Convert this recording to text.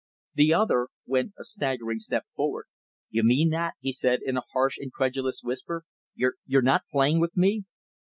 The other went a staggering step forward. "You mean that?" he said in a harsh, incredulous whisper. "You you're not playing with me?"